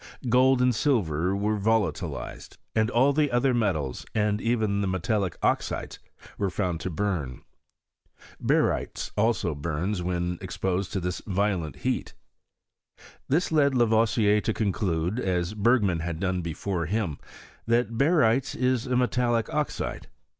Gold and silver were volatilized ; all the other metals, and even the metallic oxides, were found to burn. Barytes also burns when ex posed to this violent heat. This led Lavoisier to conclude, as Bergman had done before him, that Barytes is a metallic oxide.